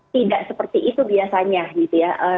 tidak seperti itu biasanya gitu ya